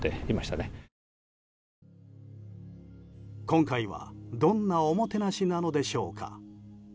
今回は、どんなおもてなしなのでしょうか。